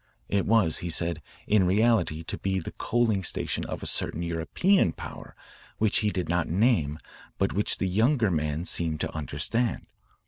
It was, he said, in reality to be the coaling station of a certain European power which he did not name but which the younger man seemed to understand.